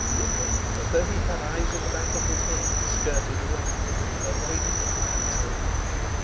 Rupert, as though he had eyes in the back of his head, skirted round, avoiding it by a narrow inch.